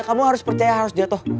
kamu harus percaya harus jatuh